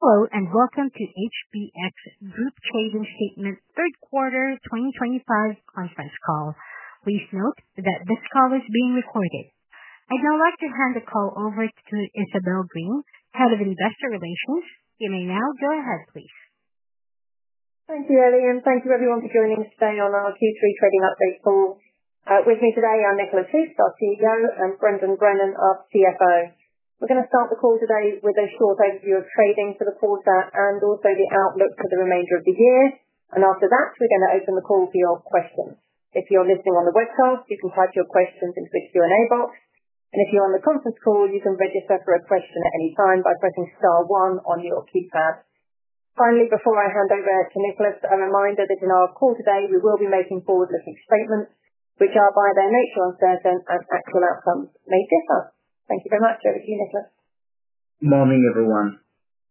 Hello and welcome to HBX Group plc Q3 2025 conference call. Please note that this call is being recorded. I'd now like to hand the call over to Isabel Green, Head of Investor Relations. You may now go ahead please. Thank you, Ellie. Thank you everyone for joining us today on our Q3 trading update call. With me today are Nicolas Huss, our CEO, and Brendan Brennan, our CFO. We're going to start the call today with a short overview of trading for the quarter and also the outlook for the remainder of the year. After that, we're going to open the call for your questions. If you're listening on the webcast, you can type your questions into the Q&A box. If you're on the conference call, you can register for a question at any time by pressing star one on your keypad. Finally, before I hand over to Nicolas, a reminder that in our call today we will be making forward-looking statements which are by their nature uncertain and actual outcomes may differ. Thank you very much. Over to you, Nicolas. Good morning everyone.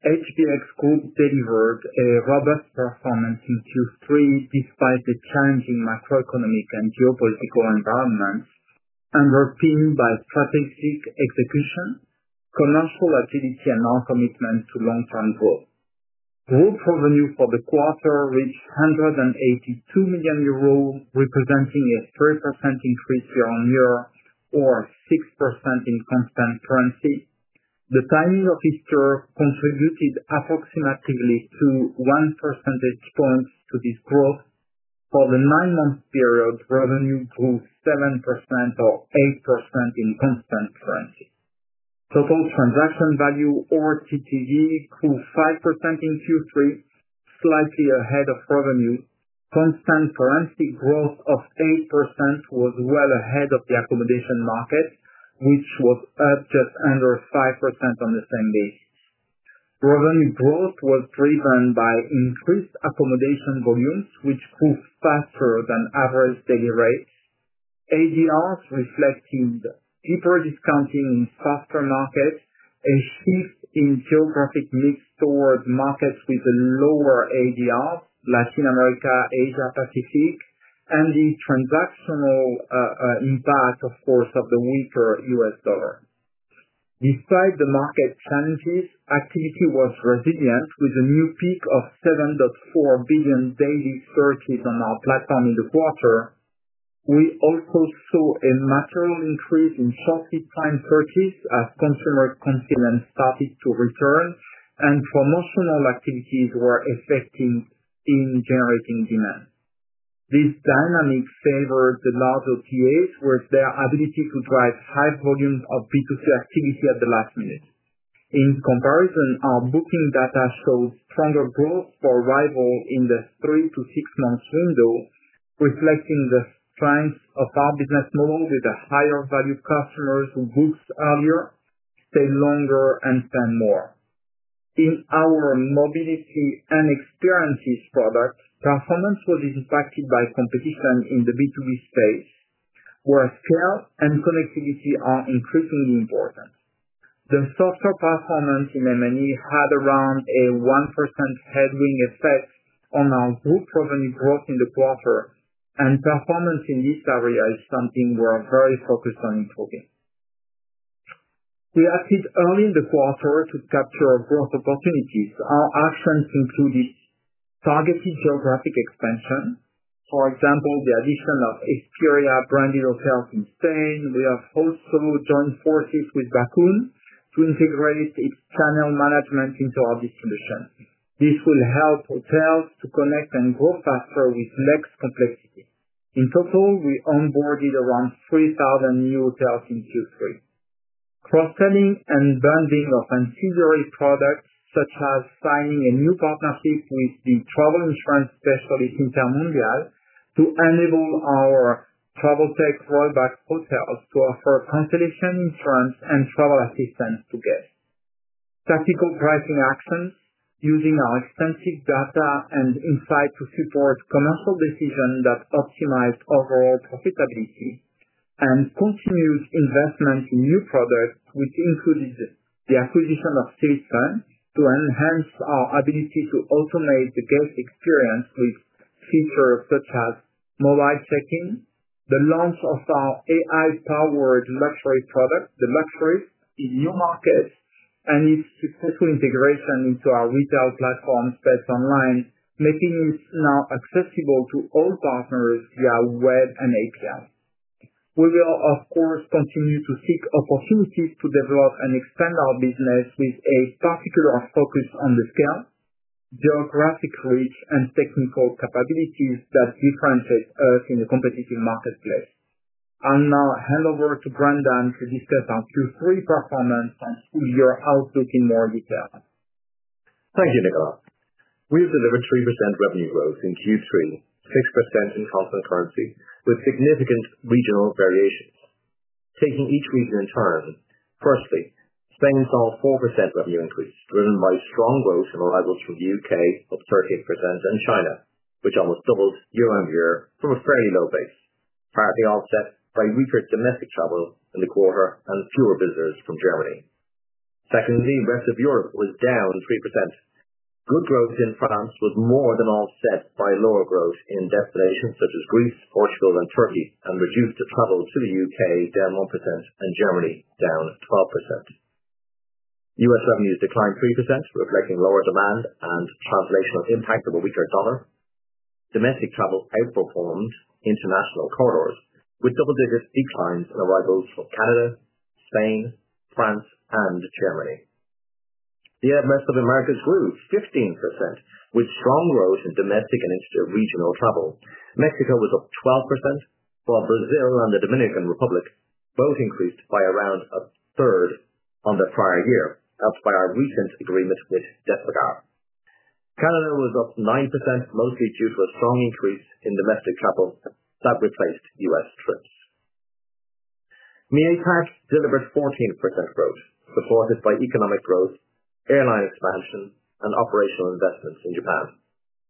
HBX Group delivered a robust performance in Q3 despite the challenging macroeconomic and geopolitical environment, underpinned by strategic execution, commercial agility, and long commitment to long term growth. Group revenue for the quarter reached 182 million euros, representing a 3% increase year on year or 6% in constant currency. The timing of Easter contributed approximately to 1% point to this growth. For the nine month period, revenue grew 7% or 8% in constant currency. Total transaction value, or TTV, grew 5% in Q3, slightly ahead of revenues. Constant currency growth of 8% was well ahead of the accommodation market, which was up just under 5% on the same basis. Revenue growth was driven by increased accommodation volumes, which grew faster than average daily rates. ADRs reflected deeper discounting in softer markets, a shift in geographic mix towards markets with lower ADR, Latin America, Asia Pacific, and the transactional impact, of course, of the weaker US dollar. Despite the market challenges, activity was resilient with a new peak of 7.4 billion daily searches on our platform in the quarter. We also saw a material increase in shorter time searches as consumer confidence started to return and promotional activities were effective in generating demand. This dynamic favors the larger PAs with their ability to drive high volumes of B2C activity at the last minute. In comparison, our booking data showed stronger growth for arrival in the three to six months window, reflecting the strength of our business model with the higher value. Customers who booked earlier stay longer and spend more in our mobility and experiences. Product performance was impacted by competition in the B2B space, where scale and connectivity are increasingly important. The softer performance in MNE had around a 1% headwind effect on our group revenue growth in the quarter, and performance in this area is something we are very focused on improving. We acted early in the quarter to capture growth opportunities. Our actions included targeted geographic expansion, for example, the addition of Expedia branded hotels in Spain. We have also joined forces with Bakun to integrate its channel management into our distribution. This will help hotels to connect and grow faster with next complexity. In total, we onboarded around 3,000 new hotels in Q3, cross selling and bundling of ancillary products such as signing a new partnership with the travel insurance specialist Intermundial to enable our travel tech Roiback hotels to offer cancellation insurance and travel assistance to guests. Tactical pricing action using our extensive data and insight to support commercial decisions that optimize overall profit and continued investment in new products, which included the acquisition of SIL to enhance our ability to automate the guest experience with features such as mobile check-in, the launch of our AI-powered luxury product, The Luxuries, in new markets and its successful integration into our retail platform Bedsonline, making it now accessible to all partners via web and API. We will, of course, continue to seek opportunities to develop and expand our business with a particular focus on the scale, geographic reach, and technical capabilities that differentiate us in a competitive marketplace. I'll now hand over to Brendan to discuss our Q3 performance and full year outlook in more detail. Thank you, Nicolas. We have delivered 3% revenue growth in Q3, 6% in constant currency, with significant regional variations taking each region in turn. Firstly, Spain saw a 4% revenue increase driven by strong growth in arrivals from the UK, up 38%, and China, which almost doubled year on year from a fairly low base, partly offset by weaker domestic travel in the quarter and fewer visitors from Germany. Secondly, Western Europe was down 3%. Good growth in France was more than offset by lower growth in destinations such as Greece, Portugal, and Turkey, and reduced travel to the UK, down 1%, and Germany, down 12%. U.S. revenues declined 3%, reflecting lower demand and the translational impact of a weaker dollar. Domestic travel outperformed international corridors, with double-digit declines in arrivals from Canada, Spain, France, and Germany. The rest of the markets grew 15%, with strong growth in domestic and regional travel. Mexico was up 12%, while Brazil and the Dominican Republic both increased by around a third on the prior year, helped by our recent agreement with Despegar. Canada was up 9%, mostly due to a strong increase in domestic capital that replaced U.S. trips. MiePak delivered 14% growth, supported by economic growth, airline expansion, and operational investments in Japan.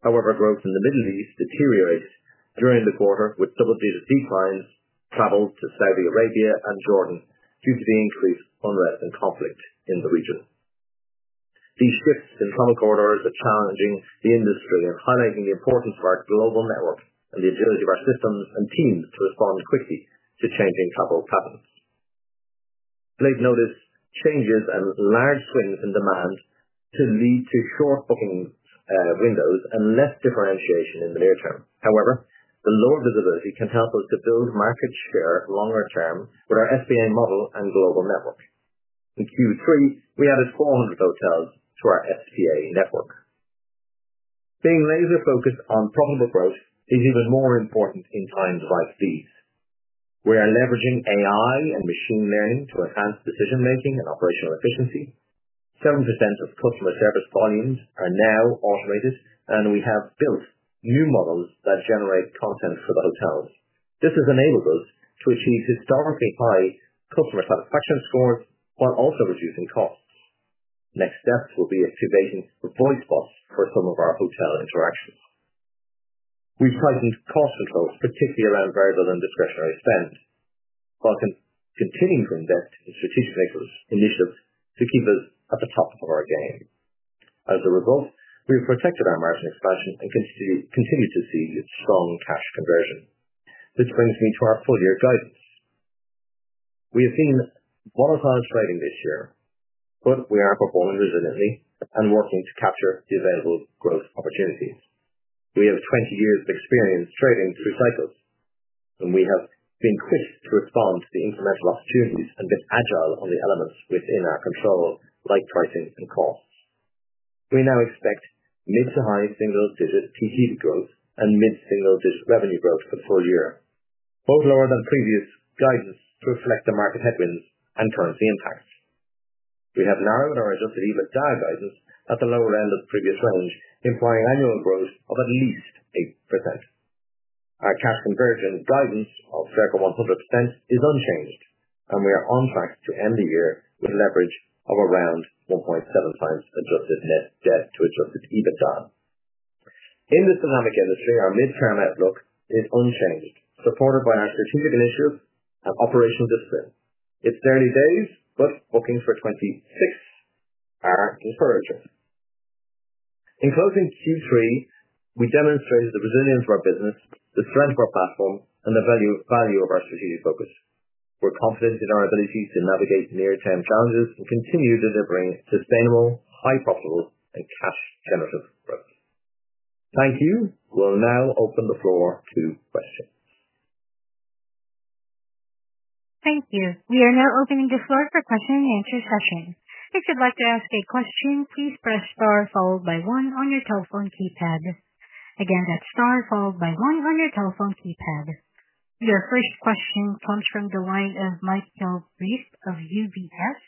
However, growth in the Middle East deteriorated during the quarter, with double-digit declines in travel to Saudi Arabia and Jordan due to the increased unrest and conflict in the region. These shifts in common corridors are challenging the industry and highlighting the importance of our global network and the agility of our systems and teams to respond quickly to changing travel patterns, late notice changes, and large swings in demand that lead to short booking windows and less differentiation in the near term. However, the lower visibility can help us to build market share longer term with our SBA model and global network. In Q3, we added 400 hotels to our SBA network. Being laser focused on profitable growth is even more important in times like these. We are leveraging AI and machine learning to enhance decision making and operational efficiency. 7% of customer service volumes are now automated, and we have built new models that generate content for the hotels. This has enabled us to achieve historically. High customer satisfaction scores while also reducing costs. Next steps will be activating voice bots for some of our hotel interactions. We've tightened cost controls, particularly around variable and discretionary spend, while continuing to invest in strategic initiatives to keep us at the top of our game. As a result, we have protected our margin expansion and continue to see strong cash conversion. This brings me to our full year guidance. We have seen volatile trading this year, but we are performing resiliently and working to capture the available growth opportunities. We have 20 years of experience trading through cycles, and we have been quick to respond to the incremental opportunities and been agile on the elements within our control like pricing and costs. We now expect mid to high single digit TTV growth and mid single digit revenue growth for the full year, both lower than previous guidance. To reflect the market headwinds and currency impacts, we have narrowed our adjusted EBITDA guidance at the lower end of the previous range, implying annual growth of at least 8%. Our cash conversion guidance of 100% is unchanged, and we are on track to end the year with leverage of around 1.7x adjusted net debt to adjusted EBITDA. In this dynamic industry, our midterm outlook is unchanged, supported by our strategic initiatives and operational discipline. It's early days, but bookings for 2026 are encouraging. In closing, Q3 we demonstrated the resilience. Of our business, the strength of our platform, and the value of our strategic focus, we're confident in our ability to navigate near term challenges and continue delivering sustainable, high profitable, and cash generative growth. Thank you. will now open the floor to questions. Thank you. We are now opening the floor for the question and answer session. If you'd like to ask a question, please press star followed by one on your telephone keypad. Again, that's star followed by one on your telephone keypad. Your first question comes from the line of Michael Reif of UBS.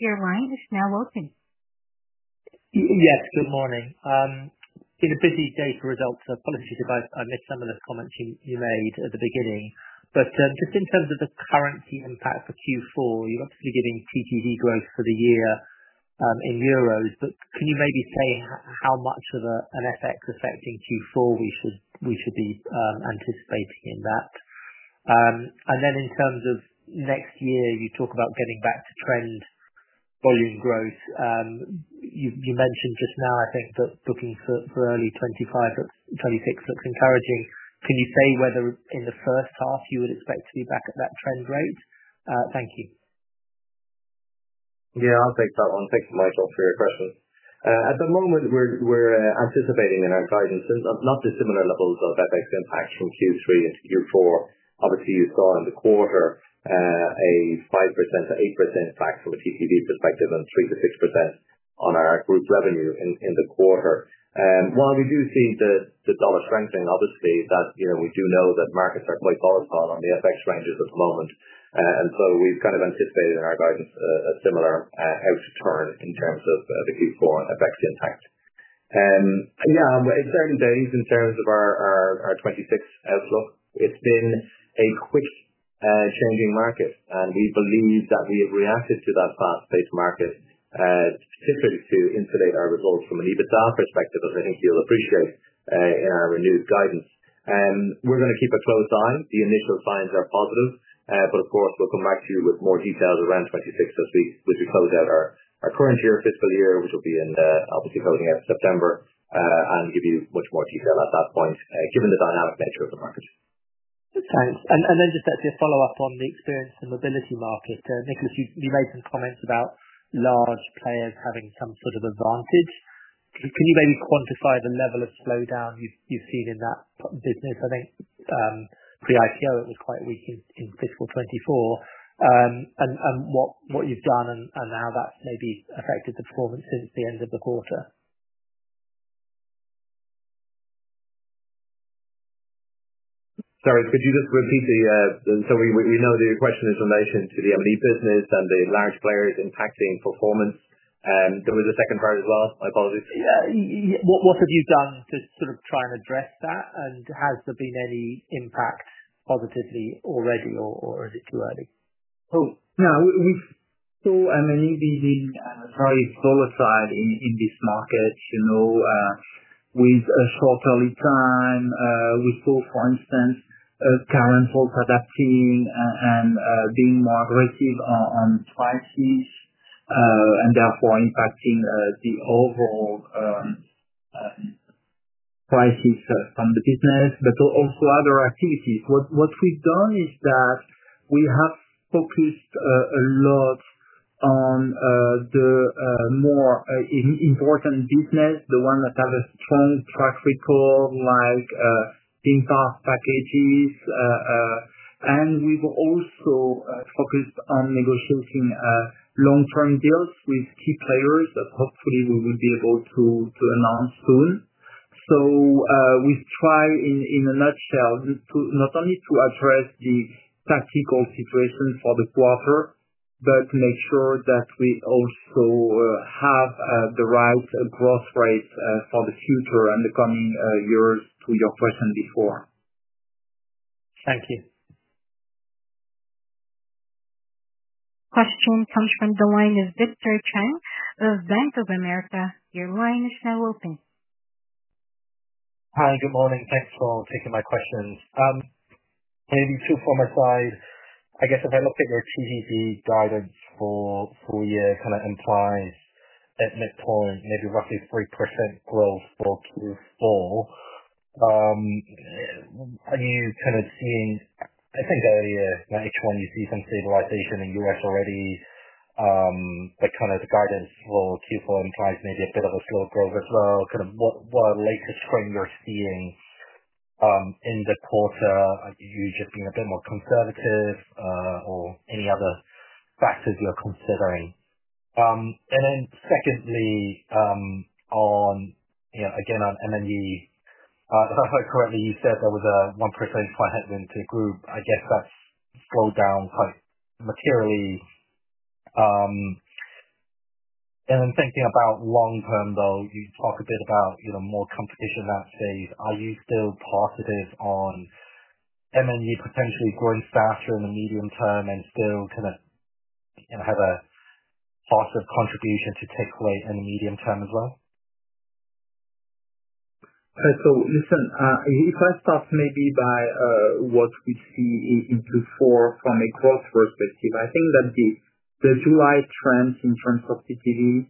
Your line is now open. Yes, good morning in a busy day for results. I missed some of the comments you made at the beginning. In terms of the currency impact for Q4, you're obviously giving TTV growth for the year in Euros, but can you maybe say how much of an FX effect in Q4 we should be anticipating in that? In terms of next year, you talk about getting back to trend volume growth. You mentioned just now I think that booking for early 2025, 2026 looks encouraging. Can you say whether in the first half you would expect to be back at that trend rate? Thank you. Yeah, I'll take that one. Thanks, Michael, for your question. At the moment, we're anticipating in our guidance not dissimilar levels of FX impact from Q3 into Q4. Obviously, you saw in the quarter a 5%-8% impact from a TTV perspective and 3%-6% on our group revenue in the quarter. While we do see the dollar strengthening, we do know that markets are quite volatile on the FX ranges at the moment, and we've kind of anticipated in our guidance a similar outturn in terms of the Q4 FX impact. On certain days in terms of our 2026 outlook, it's been a quick-changing market, and we believe that we have reacted to that fast-paced market, particularly to insulate our results from an EBITDA perspective. As I think you'll appreciate in our renewed guidance, we're going to keep a close eye. The initial signs are positive, but of course, we'll come back to you with more details around 2026 as we close out our current fiscal year, which will be closing out September, and give you much more detail at that point given the dynamic nature of the market. Thanks. Just actually a follow-up on the experiences and mobility market. Nicolas, you made some comments about large players having some sort of advantage. Can you maybe quantify the level of slowdown you've seen in that business? I think pre-IPO it was quite weak in fiscal 2024 and what you've done and how that's maybe affected the performance since the end of the quarter. Sorry, could you just repeat so we know that your question is in relation to the M and E business and the large players impacting performance. There was a second part as well my apologies. What have you done to sort of try and address that, and has there been any impact positively already, or is it too early? Yeah, we. So, in this market, with a shorter lead time, we saw, for instance, current volts adapting and being more aggressive on prices and therefore impacting the overall. Prices from the business, but also other activities. What we've done is that we have focused a lot on the more important business, the ones that have a strong track record like dynamic packages. We've also focused on negotiating long-term deals with key players that hopefully we will be able to announce soon. We try, in a nutshell, not only to address the tactical situation for the quarter, but make sure that we also have the right growth rate for the future and the coming years to your question before. Thank you. Question comes from the line of Victor Chang of Bank of America. Your line is now open. Hi, good morning. Thanks for taking my questions. Maybe two from my side. I guess if I look at your TTV guidance for full year, kind of implies at midpoint maybe roughly 3% growth for Q4. Are you kind of seeing, I think earlier H1 you see some stabilization in U.S. already, but kind of the guidance for Q4 implies maybe a bit of a slow growth as well. What latest trend you're seeing in the quarter, you just being a bit more conservative or any other factors you're considering? And then secondly, again on MME, if I heard correctly, you said there was a 1% headwind to the group. I guess that's slowed down quite materially. Thinking about long term though, you talk a bit about more competition in that phase. Are you still positive on potentially growing faster in the medium term and still kind of have a positive contribution to take away in the medium term as well? If I start maybe by what we see in Q4 from a growth perspective, I think that the July trends in terms of CPV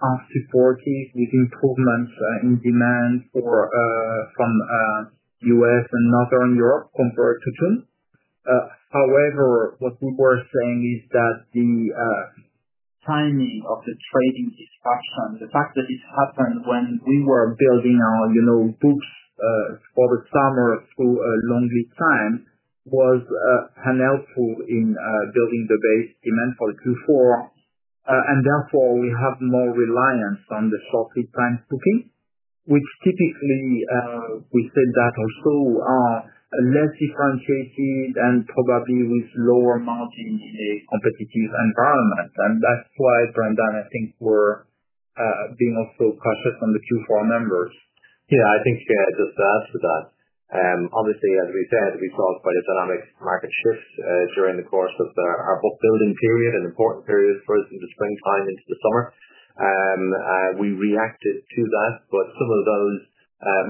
are supportive with improvements in demand from U.S. and Northern Europe compared to June. However, what we were saying is that the timing of the trading disruption, the fact that it happened when we were building our books for the summer through a low lead time, was unhelpful in building the base demand for Q4 and therefore we have more reliance on the short lead time booking, which typically we said that also are less differentiated and probably with lower margin in a competitive environment. That's why, Brendan, I think we're being also cautious on the Q4 numbers. Yeah, I think just to add to that, obviously as we said, we saw quite a dynamic market shift during the course of our book building period, an important period for us in the springtime into the summer. We reacted to that. Some of those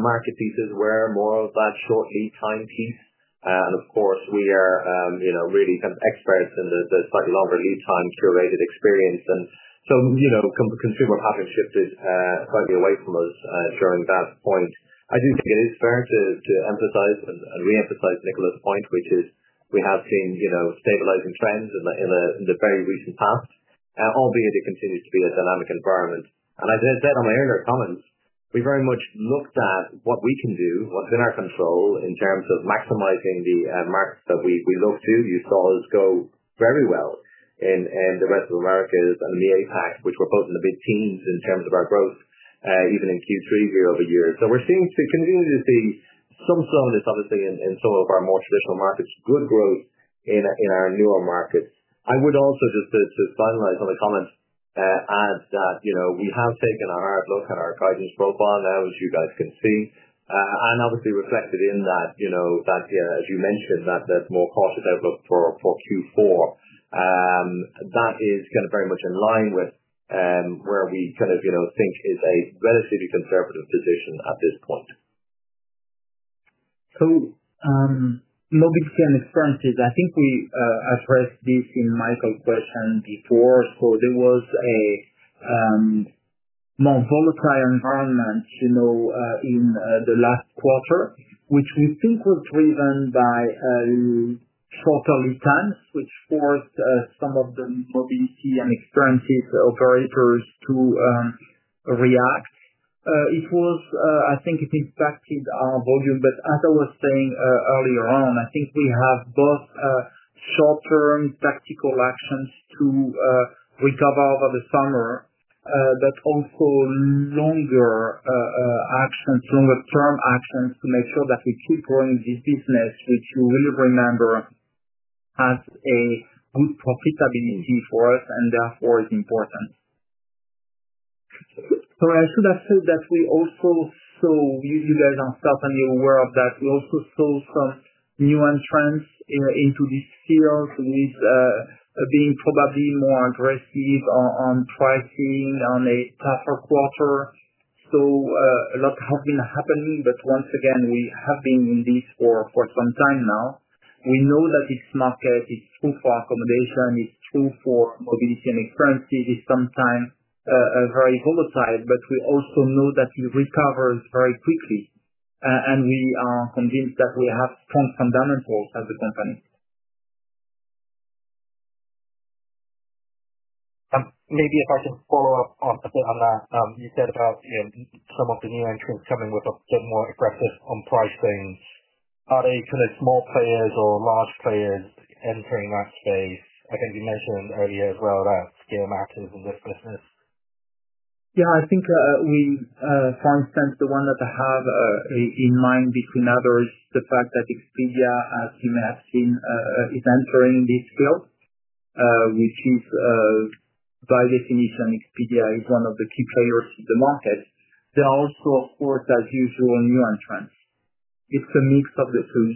market pieces were more of that short lead time piece, and of course we are really experts in the slightly longer lead time curated experience, and so consumer patterns shifted slightly away from us during that point. I do think it is fair to emphasize and re-emphasize Nicolas's point, which is we have seen stabilizing trends in the very recent past, albeit it continues to be a dynamic environment. As I said in my earlier comments, we very much looked at what we can do, what's in our control in terms of maximizing the markets that we look to. You saw us go very well in the rest of Americas and the Asia Pacific, which were both in the mid-teens in terms of our growth even in Q3 here. We're continuing to see some, obviously in some of our more traditional markets, good growth in our newer markets. I would also just finalize on the comments, add that we have taken a hard look at our guidance profile now, as you guys can see, and obviously reflected in that, as you mentioned, that more cautious outlook for Q4 that is very much in line with where we think is a relatively conservative position at this point. Mobility and experiences, I think we addressed this in Michael's question before. There was a more volatile environment in the last quarter, which we think was driven by shorter lead times, which forced some of the mobility and experiences operators to react. I think it impacted our volume. As I was saying earlier on, we have both short-term tactical actions to recover over the summer and also longer-term actions to make sure that we keep growing this business, which you will remember has good profitability for us and therefore is important. I should have said that we also saw, as you guys are aware, some new entrants into this field being probably more aggressive on pricing in a tougher quarter. A lot has been happening. We have been in this for some time now. We know that it's a market, it's true for accommodation, it's true for mobility and currency. It is sometimes very volatile. We also know that it recovers very quickly, and we are convinced that we have strong fundamentals as a company. Maybe if I can follow up a bit on what you said about some of the new entrants coming in a bit more aggressive on pricing. Are they small players or large players entering that space? I think you mentioned earlier as well that scale matters in this business. For instance, the one that I have in mind, among others, is the fact that Expedia, as you may have seen, is entering this field, which by definition, Expedia is one of the key players in the market. There are also, of course, as usual, new entrants. It's a mix of the two.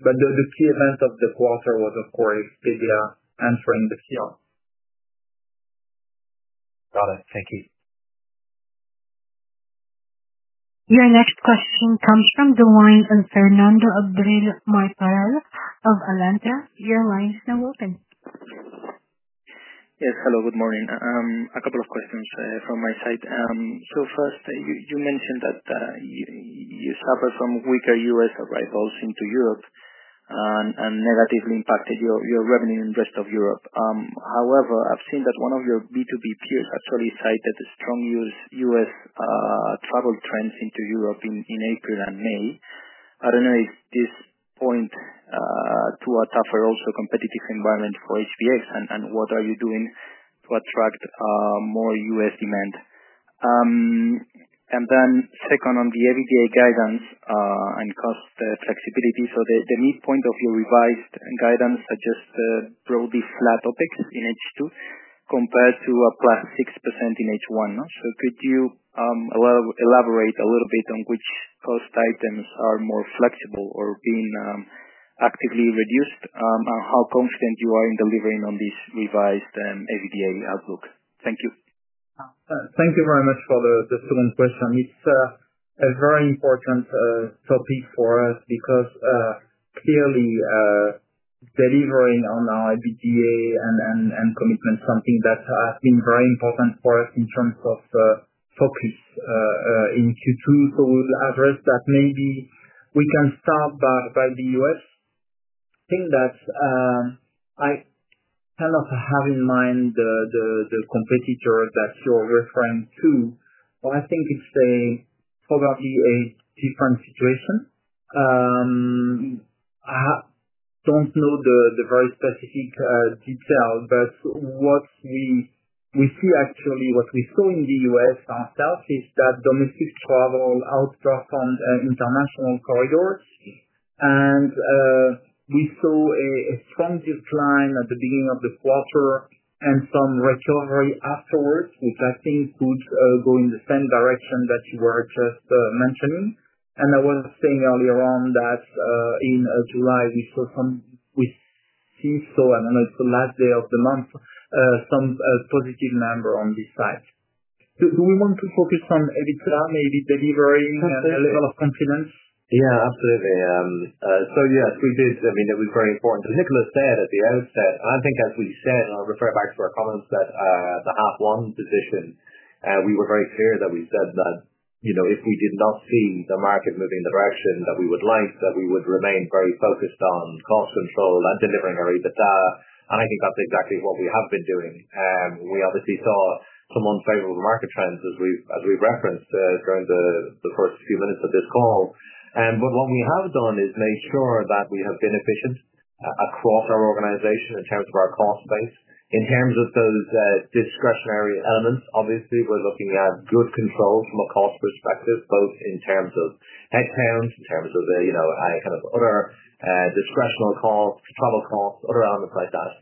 The key event of the quarter was, of course, Expedia entering the field. Got it. Thank you. Your next question comes from the line of Fernando Abril-Martorell of Atlanta. Your line is now open. Yes, hello. Good morning. A couple of questions from my side. First, you mentioned that you suffer some weaker U.S. arrivals into Europe and negatively impacted your revenue in rest of Europe. However, I've seen that one of your B2B peers actually cited strong U.S. travel trends into Europe in April and May. I don't know if this points to a tougher also competitive environment for HBX Group. What are you doing to attract more U.S. demand? Second, on the EBITDA guidance and cost flexibility, the midpoint of your revised guidance is just broadly flat OpEx in H2 compared to a plus 6% in H1. Could you elaborate a little bit on which cost items are more flexible or being actively reduced and how confident you are in delivering on this revised EBITDA outlook? Thank you. Thank you very much for the student question. It's a very important topic for us because clearly delivering on our EBITDA and commitment, something that has been very important for us in terms of focus in Q2. We'll address that. Maybe we can start by the U.S. I think that I kind of have in mind the competitor that you're referring to, but I think it's probably a different situation. I don't know the very specific detail. What we see, actually what we saw in the U.S. ourselves is that domestic travel outperformed international corridors and we saw a strong decline at the beginning of the quarter and some recovery afterwards, which I think could go in the same direction that you were just mentioning. I was saying earlier on that in July we see. I don't know, it's the last day of the month, some positive number on this side. Do we want to focus on EBITDA maybe delivering a level of confidence? Yeah, absolutely. Yes, we did. I mean it was very important as Nicolas Huss said at the outset, and I think as we said, I'll refer back to our comments that the half won position. We were very clear that we said that if we did not see the market moving in the direction that we would like, we would remain very focused on cost control and delivering our EBITDA. I think that's exactly what we have been doing. We obviously saw some unfavorable market trends as we've referenced during the first few minutes of this call. What we have done is made sure that we have been efficient across our organization in terms of our cost base, in terms of those discretionary elements. Obviously, we're looking at good control from a cost perspective both in terms of headcount, in terms of other discretionary costs, travel costs, other elements like that.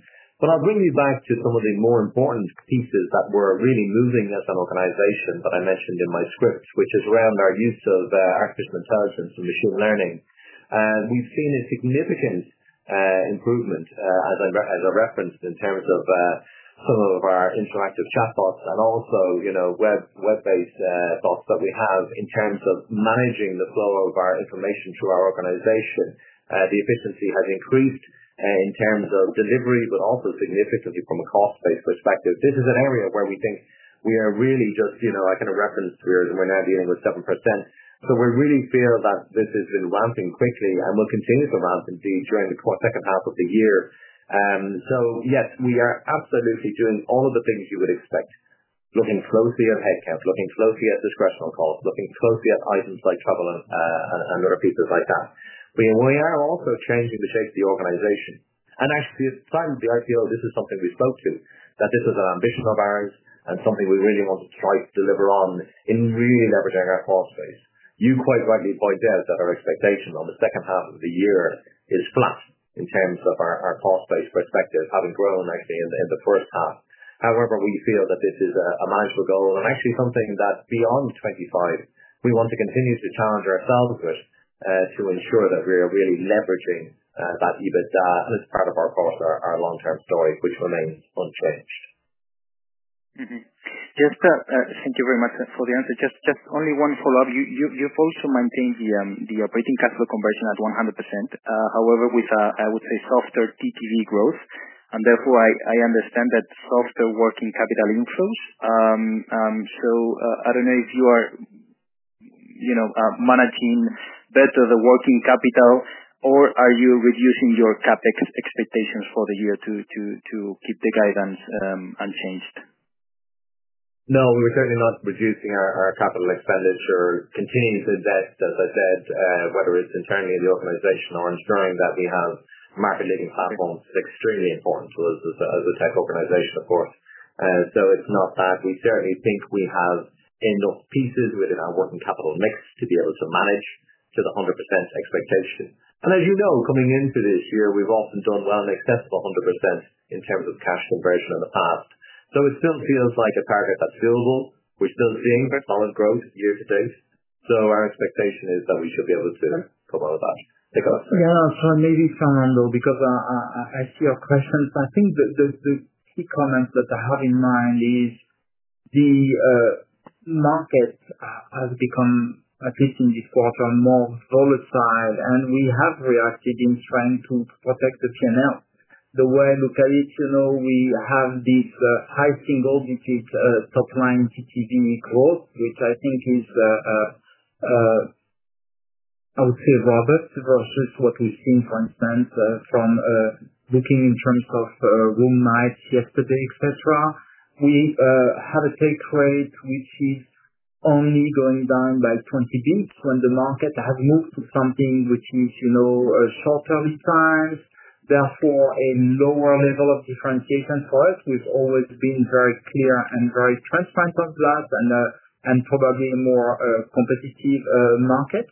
I'll bring you back to some. Of the more important pieces that we're really moving as an organization that I mentioned in my script, which is around our use of artificial intelligence and machine learning, we've seen a significant improvement as I referenced in terms of some of our interactive chatbots and also web-based bots that we have in terms of managing the flow of our information through our organization. The efficiency has increased in terms of delivery, but also significantly from a cost-based perspective. This is an area where we think we are really just, I kind of referenced, we're now dealing with 7%. We really feel that this has been ramping quickly and will continue to ramp indeed during the second half of the year. Yes, we are absolutely doing all of the things you would expect, looking closely at headcount, looking closely at discretional calls, looking closely at items like travel and other pieces like that. We are also changing the shape of the organization and actually at the time of the IPO this is something we spoke to, that this is an ambition of ours and something we really want to try to deliver on in really leveraging our thought space. You quite rightly pointed out that our expectation on the second half of the year is flat in terms of our cost base perspective, having grown actually in the first half. However, we feel that this is a manageable goal and actually something that beyond 2025 we want to continue to challenge ourselves with to ensure that we are really leveraging that EBITDA as part of our course, our long-term story which remains unchanged. Jesper, thank you very much for the answer. Just only one follow-up. You've also maintained the operating cash flow conversion at 100%, however, with, I would say, softer TTV growth and therefore I understand that softer working capital inflows. I don't know if you are managing better the working capital or are you reducing your CapEx expectations for the year to keep the guidance unchanged? No, we're certainly not reducing our capital expenditure. Continuing to invest, as I said, whether it's internally in the organization or ensuring that we have market-leading platforms is extremely important to us as a tech organization. Of course, it's not that. We certainly think we have enough pieces within our working capital mix to be able to manage to the 100% expectation. As you know, coming into this year, we've often done well in excess of 100% in terms of cash conversion in the past. It still feels like a target that's doable. We're still seeing solid growth year to date. Our expectation is that we should be able to come out of that. Yes, maybe, Fernando, because I see your question. I think the key comment that I have in mind is the market has become, at least in this quarter, more volatile and we have reacted in trying to protect the P&L. The way I look at it, you know, we have this high single-digit top line growth, which I think is, I would say, robust versus what we've seen, for instance, from Booking in terms of room nights yesterday, et cetera. We have a take rate which is only going down by 20 bps when the market has moved to something which is shorter returns, therefore a lower level of differentiation for us. We've always been very clear and very transparent of that, and probably more competitive market.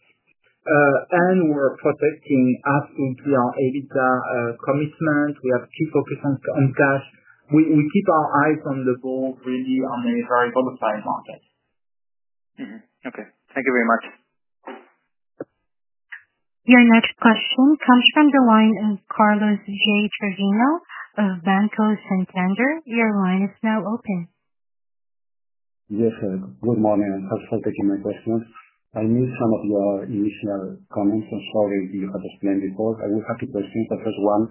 We're protecting absolute EBITDA commitment. We have key focus on cash. We keep our eyes on the ball, really, on a very volatile market. Okay, thank you very much. Your next question comes from the line of Carlos Muñiz of Banco Santander. Your line is now open. Yes, good morning and thanks for taking my questions. I missed some of your initial comments. I'm sorry, you have explained before. I will have two questions. The first one,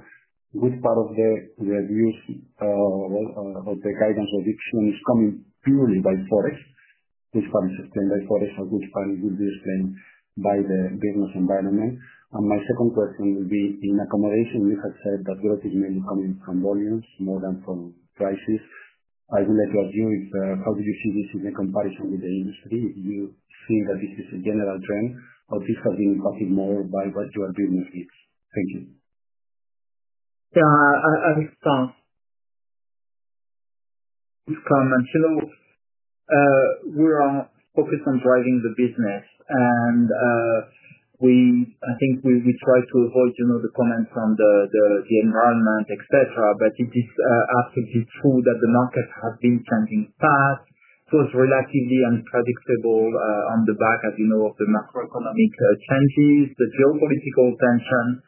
which part of the Reviews of the guidance of diction is coming purely by forest? Which part is explained by forest? Which part will be explained by the business environment? My second question will be in accommodation. You have said that growth is mainly coming from volumes more than from prices. I would like to ask you, how do you see this in comparison with the industry? Do you think that this is a general trend or this has been impacted more by what you are doing? Thank you. I think, hello. We are focused on driving the business and I think we try to avoid the comments on the environment, et cetera. It is true that the market has been changing fast, so it's relatively unpredictable on the back, as you know, of the macroeconomic changes, the geopolitical tension.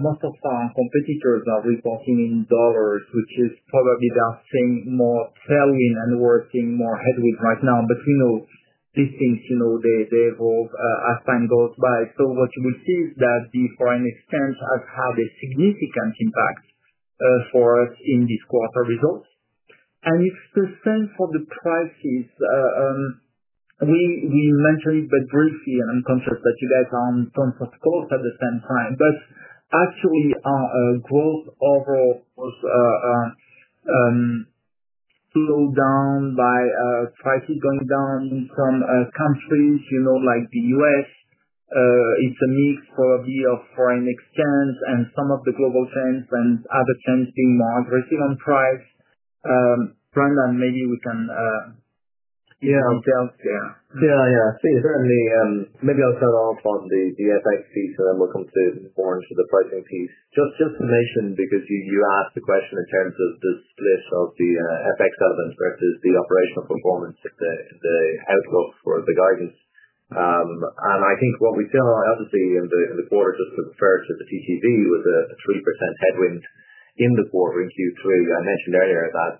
Most of our competitors are reporting in dollars, which is probably, they are seeing more tailwind and we're seeing more headwinds right now. We know these things, they evolve as time goes by. What you will see is that the foreign exchange has had a significant impact for us in this quarter results and it's the same for the prices. We mentioned it briefly and I'm conscious that you guys are on at the same time, but actually our growth overall was slowed down by prices going down from countries like the U.S. It's a mix probably of foreign exchange and some of the global chains and other chains being more aggressive on price brand and maybe we can give details there. Yeah, certainly. Maybe I'll start off on the FX piece and then we'll come more into the pricing piece. Just to mention, because you asked the question in terms of the split of the FX element versus the operational performance, the outlook for the guidance and I think what we saw obviously in the quarter just referred to the TTV was a 3% headwind in the quarter in Q3. I mentioned earlier that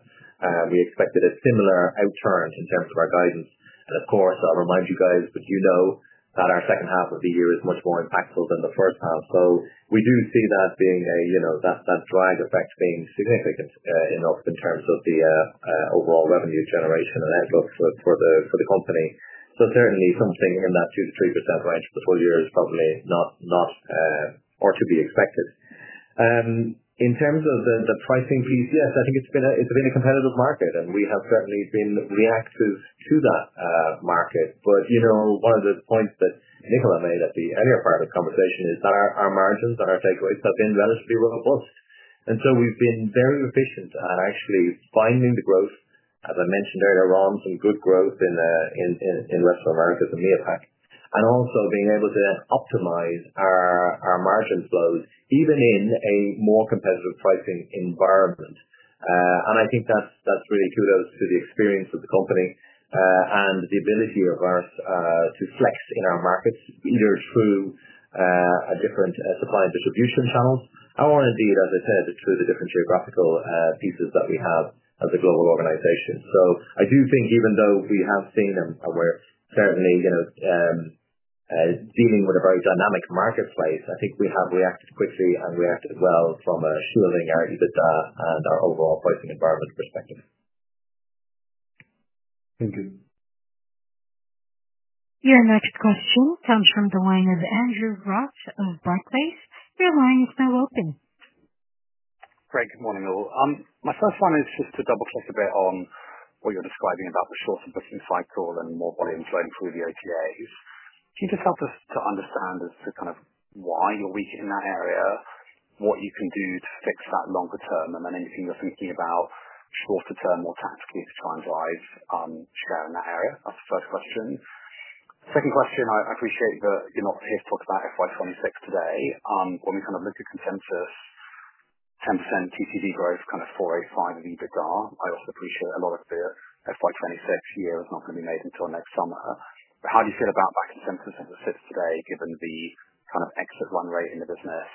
we expected a similar outturn in terms of our guidance and of course I'll remind you guys, but you know that our second half of the year is much more impactful than the first half. We do see that drag effect being significant enough in terms of the overall revenue generation and outlook for the company. Certainly something in that 2%-3% range for the full year is probably to be expected in terms of the pricing piece. Yes, I think it's been competitive. market, and we have certainly been reactive to that market. One of the points that Nicolas made at the earlier part of the conversation is that our margins and our takeaways have been relatively robust. We've been very efficient at actually finding the growth, as I mentioned earlier, on some good growth in Western America, the MEAPAC, and also being able to optimize our margin flows even in a more competitive pricing environment. I think that's really kudos to the experience of the company and the ability of ours to flex in our markets either through different supply and distribution channels or indeed, as I said, through the different geographical pieces that we have as a global organization. I do think even though we have seen them, we're certainly dealing with a very dynamic marketplace. I think we have reacted quickly and reacted well from a shielding our EBITDA and our overall pricing environment perspective. Thank you. Your next question comes from the line of Andrew Roth of Barclays. Your line is now open. Great. Good morning, all. My first one is just to double-check. Click a bit on what you're describing about the shorter booking cycle and more volume flowing through the APAs. Can you just help us to understand? As to kind of why you're weak in that area, what you can do to fix that longer term, and then anything you're thinking about shorter term, more tactically, to try and drive share in that area? That's the first question. Second question, I appreciate that you're not here to talk about FY 2026 today. When we kind of look at consensus, 10% GCD growth, kind of $485 million of EBITDA, I also appreciate a lot of the FY 2026 year is not going to be made until next summer. How do you feel about that consensus as it sits today, given the kind of exit run rate in the business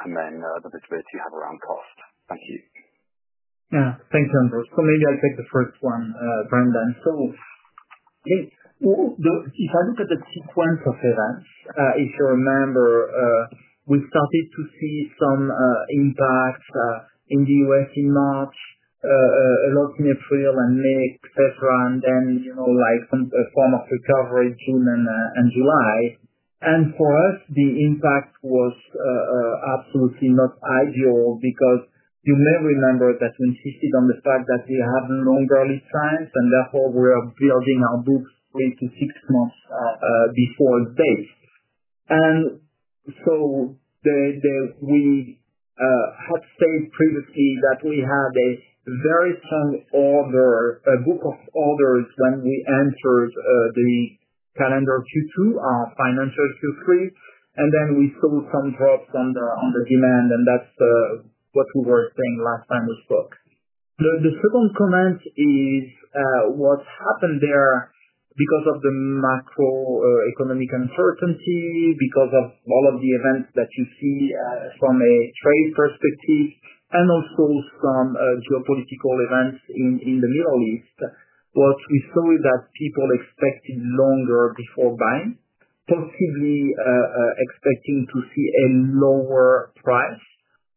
and then the visibility you have around cost? Thank you. Yeah, thank you, Andrew. Maybe I'll take the first one, Brendan. If I look at the sequence of events, if you remember, we started to see some impact in the U.S. in March, a lot in April and May, etc., and then a form of recovery in June and July. For us, the impact was absolutely not ideal because you may remember that we insisted on the fact that we have longer lead times and therefore we are building our books six months before date. We had stated previously that we had a very strong order, a group of orders, when we entered the calendar Q2, our financial Q3, and then we saw some drops on the demand. That's what we were saying last time we spoke. The second comment is what happened there because of the macroeconomic uncertainty, because of all of the events that you see from a trade perspective and also some geopolitical events in the Middle East. What we saw is that people expected longer before buying, possibly expecting to see a lower price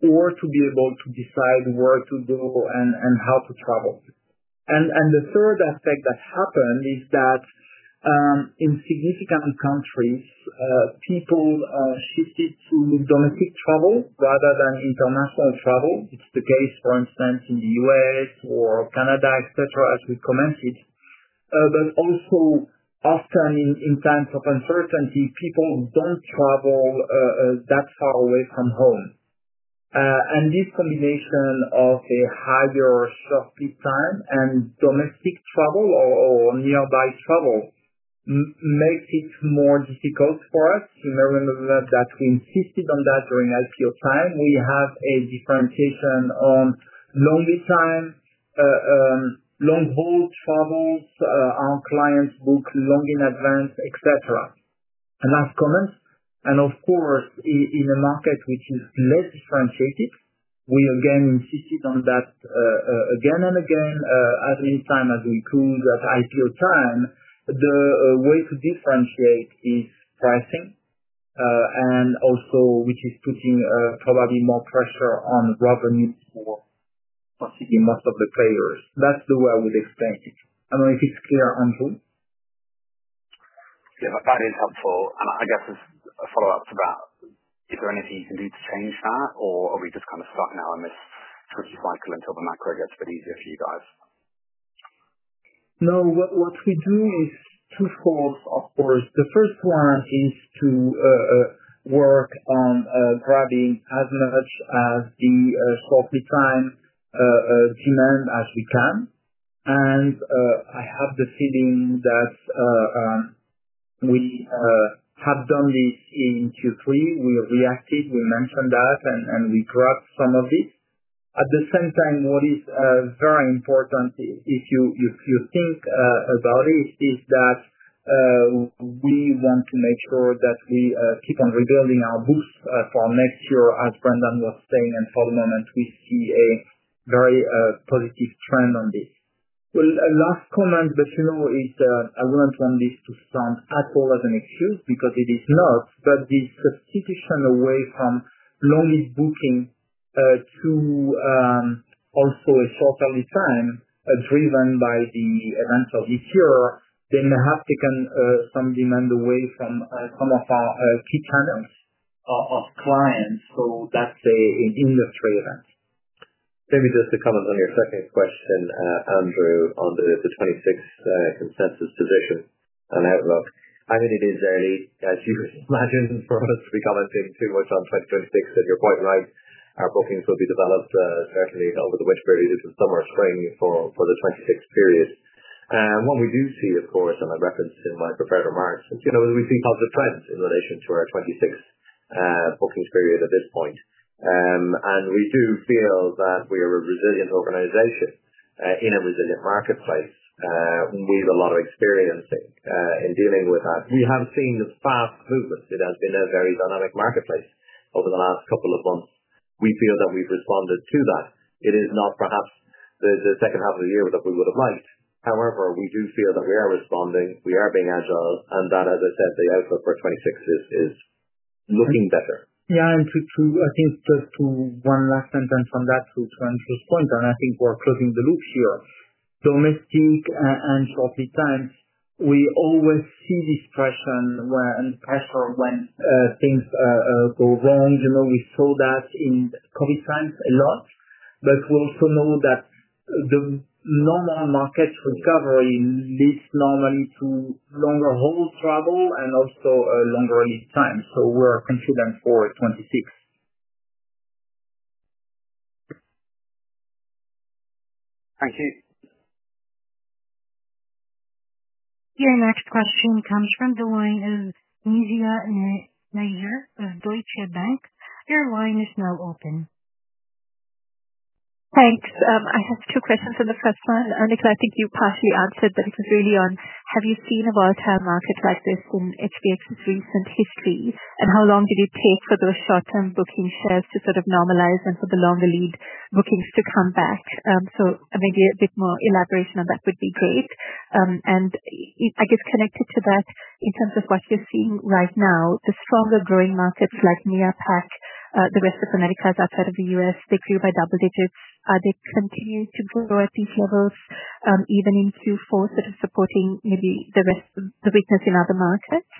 or to be able to decide where to go and how to travel. The third aspect that happened is that in significant countries people shifted to domestic travel rather than international travel. It's the case, for instance, in the U.S. or Canada, etc., as we commented. Also, often in times of uncertainty, people don't travel that far away from home. This combination of a higher short speed time and domestic travel or nearby travel makes it more difficult for us. You may remember that we insisted on that during IPO time. We have a differentiation on long lead time, long haul travels, our clients book long in advance, etc. Last comment. Of course, in a market which is less differentiated, we again insisted on that again and again as many times as we could at IPO time. The way to differentiate is pricing and also which is putting probably more pressure on revenue for most of the players. That's the way I would explain it. I know if it's clear, Andrew. Yeah, that is helpful. I guess as a follow up to that, is there anything you can do to change that, or are we just kind of stuck now in this twitch cycle until the macro gets a bit easier for you guys? No, what we do is twofold, of course. The first one is to work on grabbing as much as the short return demand as we can. I have the feeling that we have done this in Q3. We reacted, we mentioned that, and we grabbed some of this at the same time. What is very important, if you think about it, is that we want to make sure that we keep on rebuilding our boost for next year, as Brendan was saying. For the moment, we see a very positive trend on this. A last comment, but you know, is I wouldn't want this to sound at all as an excuse because it is not. This substitution away from long lease booking to also a shorter lead time driven by the event of the cure may have taken some demand away from some of our key channels of clients. That's an industry event. Maybe just to comment on your second question, Andrew, on the 2026 consensus position and outlook. It is early as you imagine for us to be commenting too much on 2026, if you're quite right, our bookings will be developed certainly over the winter period. It's in summer, spring for the 2026 period. What we do see, of course, and I referenced in my prepared remarks, we see positive trends in relation to our 2026 bookings period at this point. We do feel that we are a resilient organization in a resilient marketplace. We have a lot of experience in dealing with that. We have seen fast movements. It has been a very dynamic marketplace over the last couple of months. We feel that we've responded to that. It is not perhaps the second half of the year that we would have liked. However, we do feel that we are responding, we are being agile, and that as I said, the outlook for 2026 is looking better. Yeah, and I think just to one last sentence on that, to Andrew's point, I think we're closing the loop here. Domestic and short lead times, we always see this pressure and pressure when things go wrong. You know, we saw that in COVID times a lot. We also know that the normal market recovery leads normally to longer hold travel and also a longer lead time. We're confident for 2026. Thank you. Your next question comes from the line of Nisha Nair of Deutsche Bank. Your line is now open. Thanks. I have two questions. On the first one, Nicolas, I think you partially answered but it was really on. Have you seen a volatile market like this in HBX Group's recent history and how long did it take for those short-term booking shares to sort of normalize and for the longer lead bookings to come back? Maybe a bit more elaboration on that would be great. I guess connected to that in terms of what you're seeing right now, the stronger growing markets like APAC, the rest of Americas outside of the U.S., they grew by double digits. They continue to grow at these levels even in Q4, sort of supporting maybe the rest of the weakness in other markets.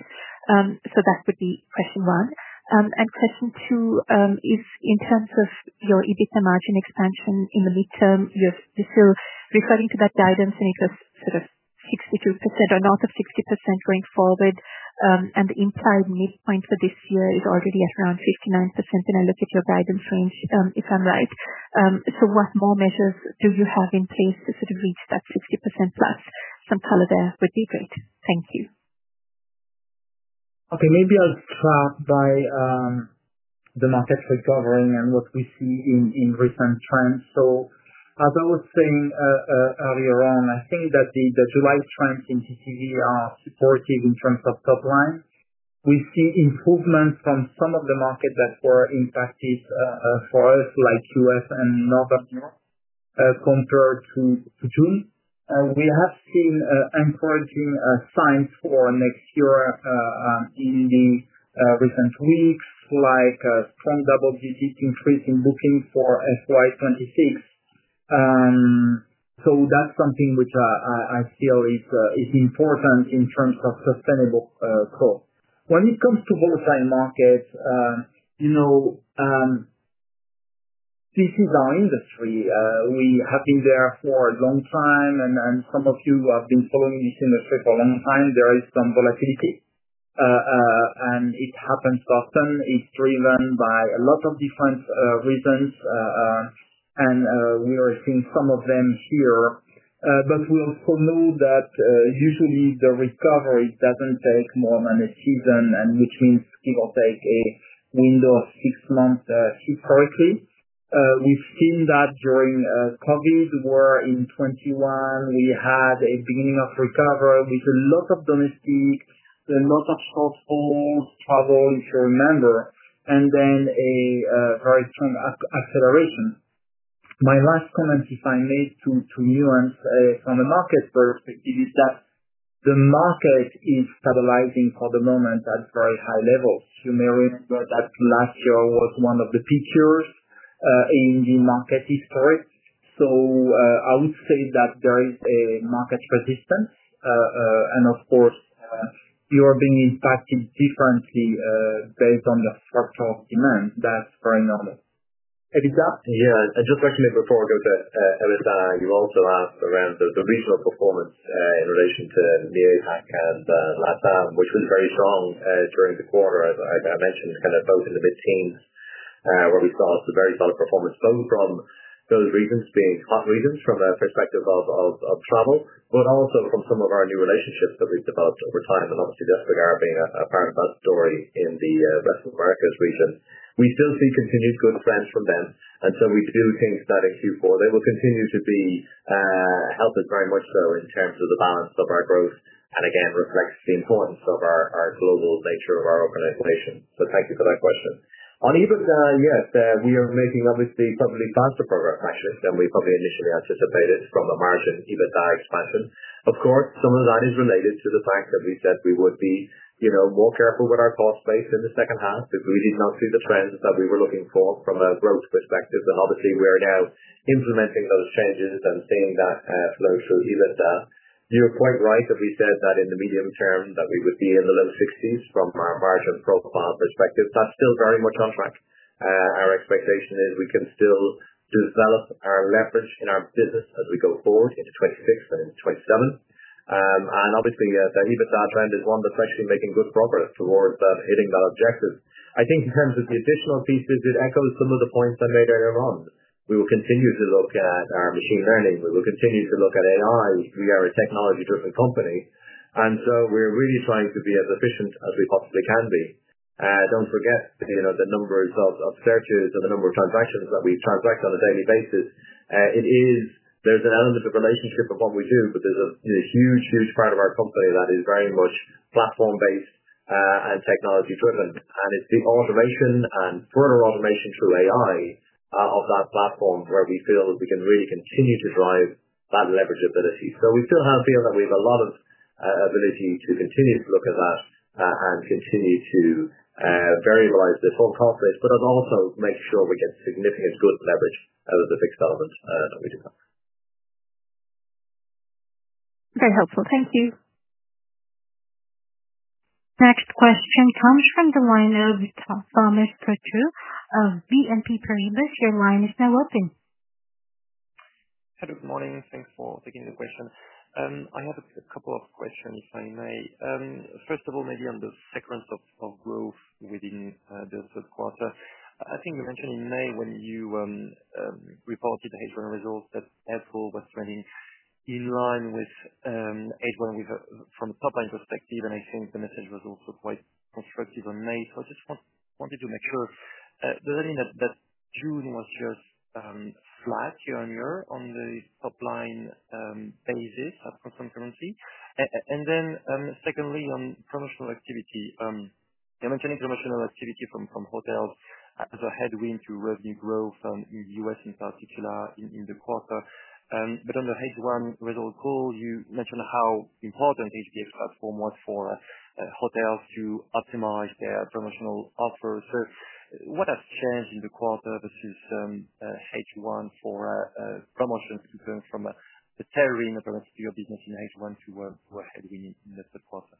That would be question one and question two is in terms of your EBITDA margin expansion in the midterm, you're still referring to that guidance and it was sort of 62% or north of 60% going forward. The implied midpoint for this year is already at around 59%. I look at your guidance range if I'm right. What more measures do you have in place to sort of reach that 60%+? Some color there would be great. Thank you. Okay, maybe I'll start by the market recovering and what we see in recent trends. As I was saying earlier on, I think that the July trends in TTV are supportive in terms of top line. We see improvements from some of the markets that were impacted for us like U.S. and Northern Europe compared to June. We have seen encouraging signs for next year in the recent weeks, like strong double digit increase in bookings for FY 2026. That's something which I feel is important in terms of sustainable growth when it comes to wholesale markets. You know, this is our industry. We have been there for a long time and some of you have been following this industry for a long time. There is some volatility and it happens often. It's driven by a lot of different reasons and we are seeing some of them here. We also know that usually the recovery doesn't take more than a season, which means give or take a window of six months. Historically we've seen that during COVID where in 2021 we had a beginning of recovery with a lot of domestic, a lot of shortfalls travel if you remember, and then a very strong acceleration. My last comment if I may to nuance from a market perspective is that the market is stabilizing for the moment at very high levels. You may remember that last year was one of the peak years in the market history. I would say that there is a market resistance and of course you are being impacted differently based on the structure of demand. That's very normal, Elizabeth. Yeah, just actually before I go to eVisa, you also asked around the regional performance in relation to Asia Pacific and Latin America, which was very strong during the quarter as I mentioned, kind of both in the mid teens where we saw some very solid performance both from those regions being hot regions from a perspective of travel, but also from some of our new relationships that we've developed over time. Obviously, Despegar being a part of that story in the rest of Americas region, we still see continued good trends from them and we do think that in Q4 they will continue to help us very much so in terms of the balance of our growth and again reflects the importance of our global nature of our organization. Thank you for that question on EBITDA. Yes, we are making obviously probably faster progress actually than we probably initially anticipated from a margin EBITDA expansion. Of course, some of that is related to the fact that we said we would be more careful with our cost base in the second half if we did not see the trends that we were looking for from a growth perspective. Obviously, we are now implementing those changes and seeing that flow through EBITDA. You're quite right that we said that in the medium term that we would be in the low 60s. From our margin profile perspective, that's still very much on track. Our expectation is we can still develop our leverage in our business as we go forward into 2026 and into 2027. Obviously, the EBITDA trend is one that's actually making good progress towards objective. I think in terms of the additional. Pieces, it echoes some of the points. We will continue to look at our machine learning, we will continue to look at AI. We are a technology-driven company and we are really trying to be as efficient as we possibly can be. Don't forget the numbers of searches and the number of transactions that we transact on a daily basis. There's an element of relationship of what we do, but there's a huge, huge part of our business company that is very much platform-based and technology-driven, and it's the automation and further automation through AI of that platform where we feel that we can really continue to drive that leverage ability. We still feel that we have a lot of ability to continue to look at that and continue to variableize the total cost base, but also make sure we get significant good leverage out of the fixed elements that we do have. Very helpful, thank you. Next question comes from the line of Thomas Prosper of BNP Paribas. Your line is now open. Hello, good morning. Thanks for taking the question. I have a couple of questions if I may. First of all, maybe on the sequence of growth within the third quarter. I think you mentioned in May when you reported the H1 results that airpool was trending in line with H1. A top line perspective. I think the message was also quite constructive on May. I just wanted to make sure, does it mean that June was just flat year on year on the top line basis at constant currency? Secondly, on promotional activity, you mentioned promotional activity from hotels as a headwind to revenue growth in the U.S. in particular in the quarter. On the H1 result call, you mentioned how important the platform was for hotels to optimize their promotional offers. What has changed in the quarter versus H1 for promotions to turn from the terrain perhaps to your business in H1 to where headed in the process?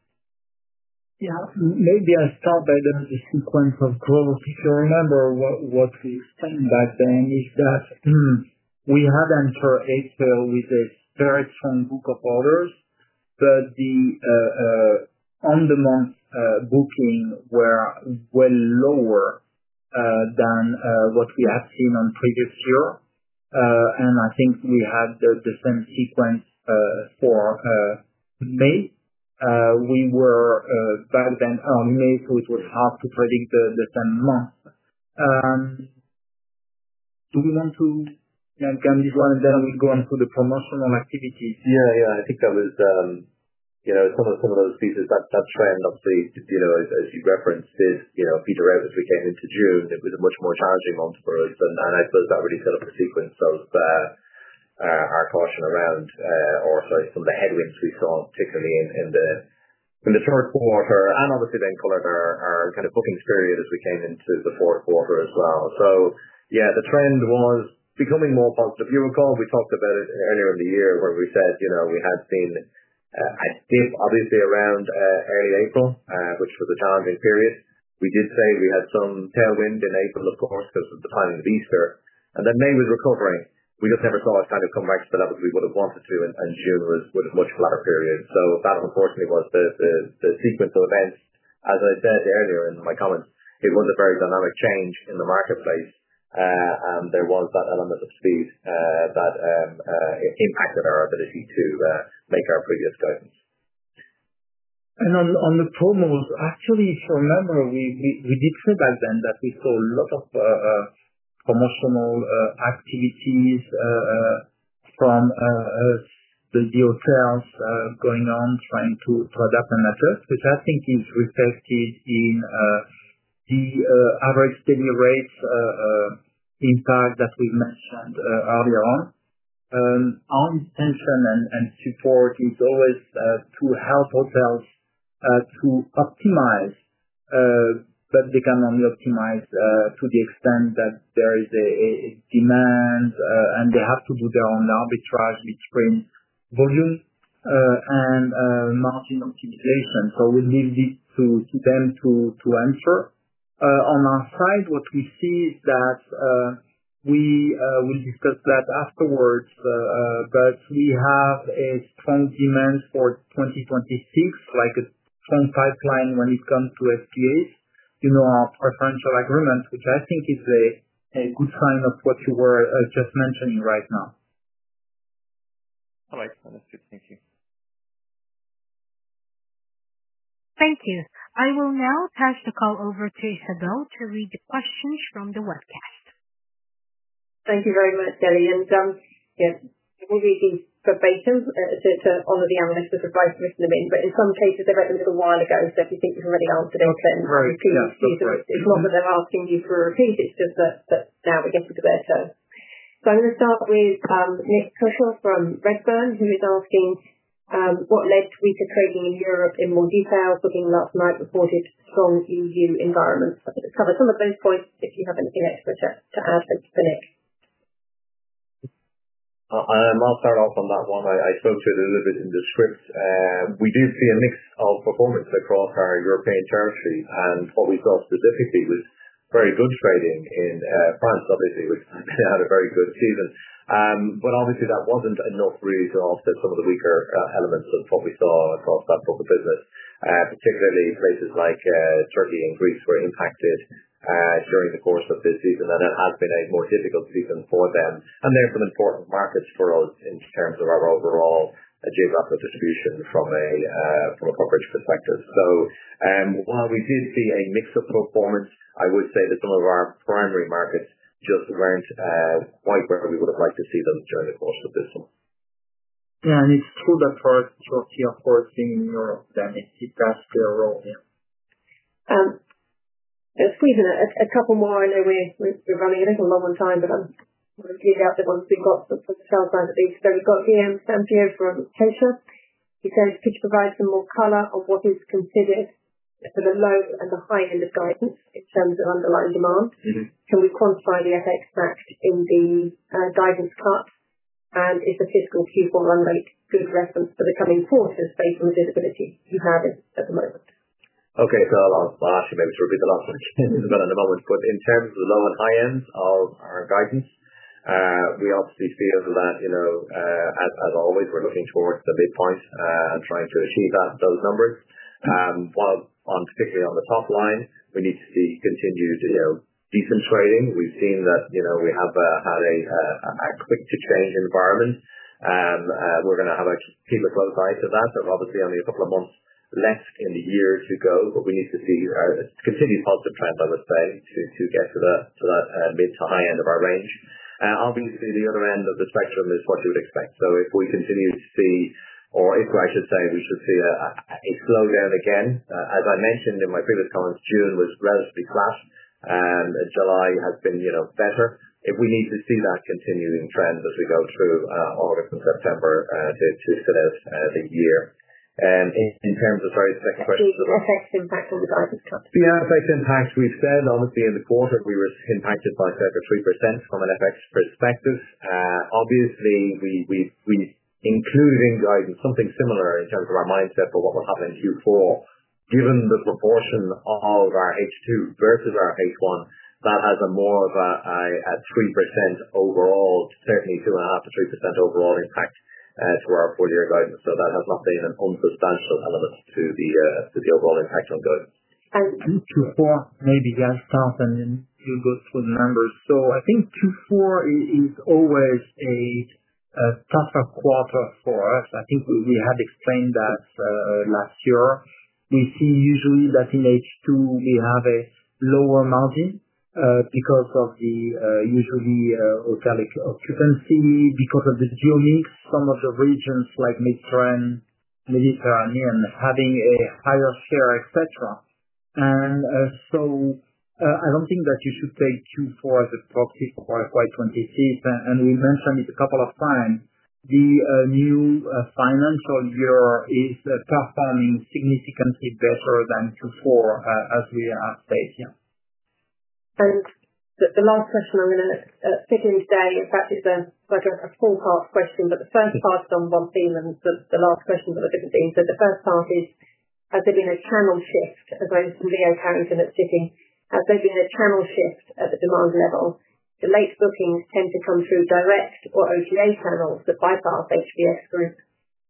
Maybe I start by the sequence of growth. If you remember what we explained back then, we had entered April with a very strong book of orders, but the on-the-month booking were well lower than what we have seen in the previous year. I think we had the same sequence for May. We were back then May, so it was hard to predict the 10 month. Do we want to then go on to the promotional activities? Yeah, I think that was, you know, some of those pieces that trend obviously, you know, as you referenced, did, you know, peter out as we came into June. It was a much more challenging month for us, and I suppose that really set up a sequence of our caution around, or sorry, some of the headwinds we saw particularly in the third quarter and obviously then colored our kind of bookings period as we came into the fourth quarter as well. Yeah, the trend was becoming more positive. You recall we talked about it earlier in the year where we said we had seen a dip obviously around early April, which was a challenging period. We did say we had some tailwind in April, of course, because of the timing of Easter. May was recovering. We just never saw it kind of come back to the levels we would have wanted to. June was much flatter, period. That, unfortunately, was the sequence of events. As I said earlier in my comments, it was a very dynamic change in the marketplace, and there was that element of speed that impacted our ability to. Make our previous guidance and on the promos, actually, if you remember, we did say back then that we saw a lot of promotional activities from the hotels going on, trying to adapt the matter, which I think is reflected in the average daily rate impact that we mentioned earlier. Our intention and support is always to help hotels to optimize. They can only optimize to the extent that there is a demand, and they have to do their own arbitrage between volume and margin optimization. We leave this to them to answer. On our side, what we see is that we will discuss that afterwards. We have a strong demand for 2026, like a strong pipeline when it comes to FTAs, you know, our preferential agreement, which I think is a good sign of what you were just mentioning right now. All right, that's good. Thank you. Thank you. I will now pass the call over to Isabel to read the question from the webcast. Thank you very much, Ellie. It will be verbatim to honor. The analysts have both written them in, but in some cases they wrote them a little while ago. If you think you've already answered, they will repeat. It's not that they're asking you for a repeat, it's just that now we're getting to their show. I'm going to start with Nick Tusher from Redburn, who is asking what led to weaker trading in Europe in more detail. Last night reported strong EU environment cover some of those points. If you have anything extra to add. Thanks to Nick. I'll start off on that one. I spoke to it a little bit in the script. We do see a mix of performance across our European territories, and what we saw specifically was very good trading in France, obviously, which had a very good season, but obviously that wasn't enough to offset some of the weaker elements of what we saw across that book of business. Particularly, places like Turkey and Greece were impacted during the course of this season, and it has been a more difficult season for them. There are some important markets for us in terms of our overall geographical distribution from a coverage perspective. While we did see a mix of performance, I would say that some of our primary markets just weren't quite where we would have liked to see them during the course of this summer. Yeah, it's true that for HBX Group being in Europe, if that's. Their role. I know we're running a little long on time, but I'm going to clear out the ones we've got for the sales line at least. We've got DM Stampio from Tosha. He says, could you provide some more color of what is considered for the low and the high end of guidance in terms of underlying demand? Can we quantify the FX back to in the guidance cut, and is the fiscal Q4 run rate a good reference for the coming quarters based on the visibility you have at the moment? Okay, so I'll ask you maybe to repeat the last one again in a moment. In terms of the low and high ends of our guidance, we obviously feel that, you know, as always we're looking towards the midpoint and trying to achieve those numbers while particularly on the top line, we need to see continued decent trading. We've seen that we have had a quick to change environment. We're going to keep a close eye to that. There's obviously only a couple of months left in the year to go, but we need to see continued positive trends. I would say to get to that mid to high end of our range. Obviously the other end of the spectrum is what you would expect. If we continue to see, or if I should say we should see a slowdown again, as I mentioned in my previous comments, June was relatively flat. July has been better. We need to see that continuing trend as we go through August and September to sit out the year in terms of. Sorry, the second question. The FX impact on the guidance cut. The FX impact we've said obviously in the quarter we were impacted by about 3% from an FX perspective. Obviously we included in guidance something similar in terms of our mindset for what will happen in future Q4. Given the proportion of our H2 versus our H1 that has more of a 3% overall, certainly 2.5%-3% overall impact to our full year guidance. That has not been an unsubstantial element to the overall impact on guidance. Q4, maybe I'll start and you go through the numbers. I think Q4 is always a tougher quarter for us. I think we had explained that last year we see usually that in H2 we have a lower margin because of the usually hotel occupancy because of the geomics. Some of the regions like Mediterranean having a higher share, etc. I don't think that you should take Q4 as a proxy for 2025, and we mentioned it a couple of times, the new financial year is performing significantly better than Q4 as we have said. Yes. The last question I'm going to fit in today is actually a four-part question, but the first part is on one theme. The last question that we're going to be, so the first part is, has there been a channel shift? As I, Leo Carrington, at sitting, has there been a channel shift at the demand level? The late bookings tend to come through direct or OTA channels that bypass HBX Group.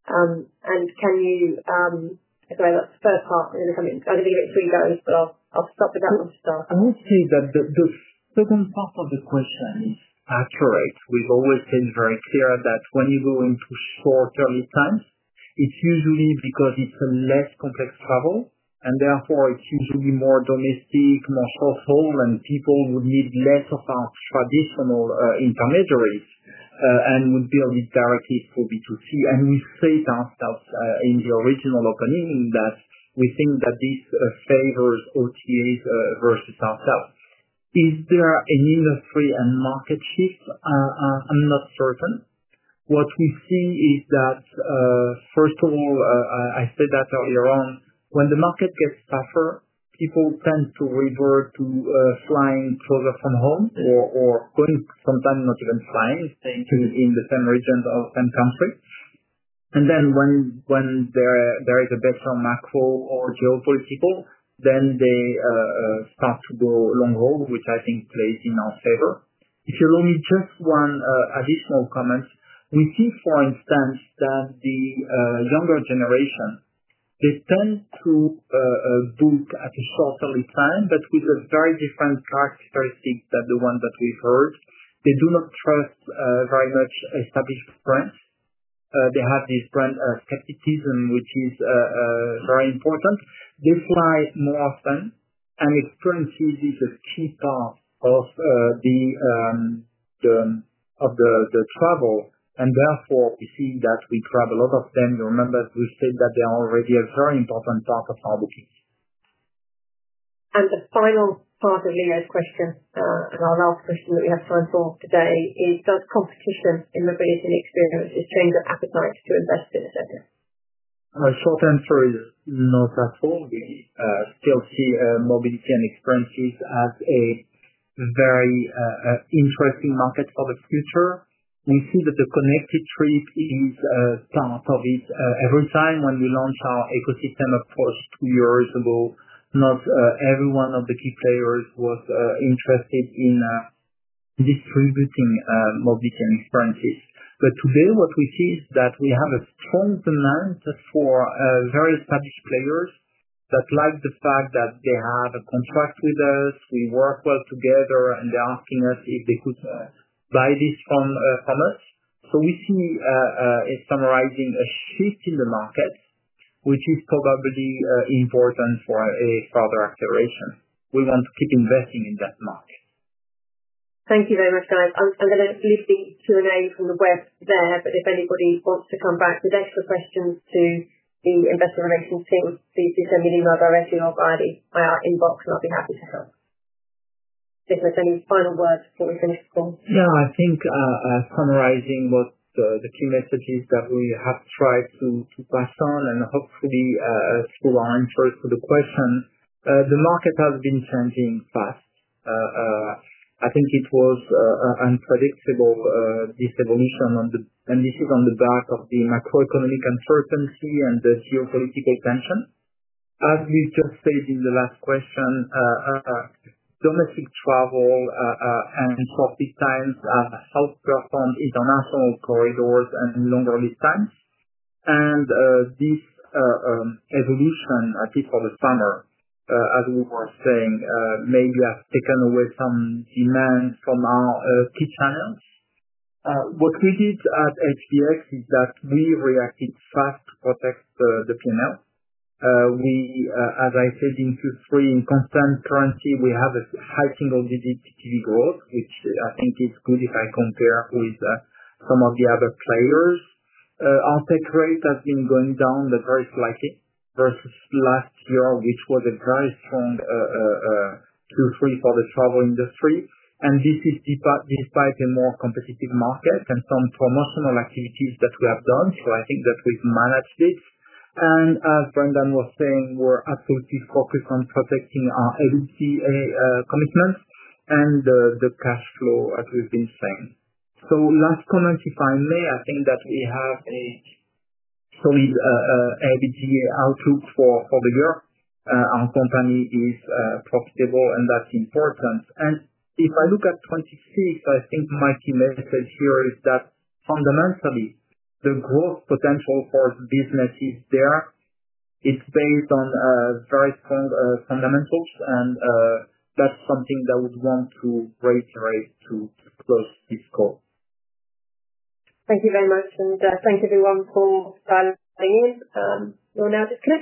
That's the third part. I'm going to give it three goes, but I'll stop with that one. To start, I would say that the second part of the question is accurate. We've always been very clear that when you go into short early times, it's usually because it's a less complex travel and therefore accumulated would be more domestic, more social, and people would need less of our traditional intermediaries and would build it directly for B2C. We say to ourselves in the original opening that we think that this favors OTAs versus ourselves. Is there an industry and market shift? I'm not certain. What we see is that, first of all, I said that earlier on when the market gets tougher, people tend to revert to flying further from home or sometimes not even flying in the same region or country. When there is a better macro or geopolitical, they start to go long haul, which I think plays in our favor. If you allow me just one additional comment, we see, for instance, that the younger generation, they tend to book at a shorter time but with a very different characteristic than the one that we've heard. They do not trust very much established brands. They have this brand skepticism, which is very important. They fly more often and experiences are a part of the travel. Therefore, we see that we travel a lot of them. You remember we said that they are already a very important part of our bookings. The final part of Leo's question and our last question that we have time for today is does competition in mobility experiences change appetite to invest in a sector? Short answer is not at all. We still see mobility and experiences as a very interesting market for the future. We see that the connected trip is part of it every time when we launch our ecosystem approach. Two years ago not every one of the key players was interested in distributing multi chain currencies, but today what we see is that we have a strong demand for very established players that like the fact that they have a contract with us, we work well together, and they're asking us if they could buy this from us. We see, summarizing, a shift in the market, which is probably important for a further acceleration. We want to keep investing in that market. Thank you very much, guys. I'm going to leave the Q and A from the web there, but if anybody wants to come back with extra questions to the Investor Relations team, please do send me an email directly or via the IR inbox and I'll be happy to help. Any final words before we finish the call? Yeah, I think summarizing what the key messages that we have tried to pass on and hopefully through our answers to the question. The market has been changing fast. I think it was unpredictable. This evolution, and this is on the back of the macroeconomic uncertainty and the geopolitical tension. As we just said in the last question, domestic travel and shorter times outperformed international corridors and longer lead times, and this evolution, at least for the summer, as we were saying, maybe has taken away some demand from our key channels. What we did at HBX Group International plc is that we reacted fast to protect the P&L. As I said in Q3, in constant currency we have a high single-digit TTV growth, which I think is good. If I compare with some of the other players, our take rate has been going down very slightly versus last year, which was a very strong Q3 for the travel industry. This is despite a more competitive market and some promotional activities that we have done. I think that we've managed it. As Brendan was saying, we're absolutely focused on protecting our ABC commitments and the cash flow, as we've been saying. Last comment, if I may. I think that we have a solid EBITDA outlook for the year. Our company is profitable and that's important. If I look at 2026, I think my key message here is that fundamentally the growth potential for the business is there, it's based on very strong fundamentals and that's something that we want to reiterate to close this call. Thank you very much, and thank everyone. For now, just click.